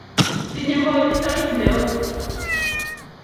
Tinyei molli sait neo